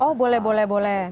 oh boleh boleh boleh